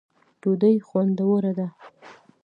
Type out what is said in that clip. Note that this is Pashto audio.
ډوډۍ خوندوره ده